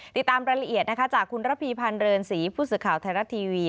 ติดตามรายละเอียดนะคะจากคุณระพีพันธ์เรือนศรีผู้สื่อข่าวไทยรัฐทีวี